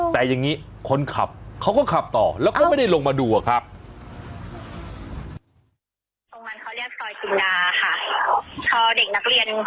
แต่อย่างนี้คนขับเขาก็ขับต่อแล้วก็ไม่ได้ลงมาดูอะครับ